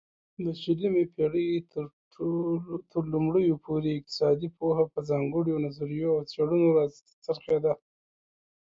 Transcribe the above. د شلمې پيړۍ ترلومړيو پورې اقتصادي پوهه په ځانگړيو نظريو او څيړنو را څرخيده